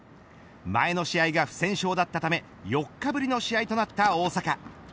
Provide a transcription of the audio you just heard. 前の試合が不戦勝だったため４日ぶりの試合となった大坂。